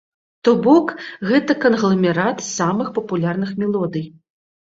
То бок, гэта кангламерат самых папулярных мелодый.